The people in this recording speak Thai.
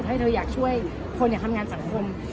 ถ้าเธออยากช่วยคนอย่างทำงานสังคม